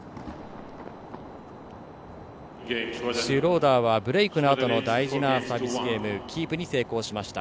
シュローダーはブレークのあとの大事なサービスゲームキープに成功しました。